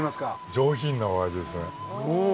上品なお味ですね。